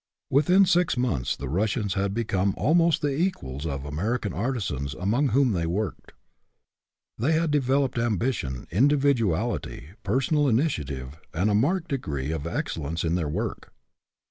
Within six months the Rus sians had become almost the equals of the American artisans among whom they worked. They had developed ambition, individuality, personal initiative, and a marked degree of ex cellence in their work.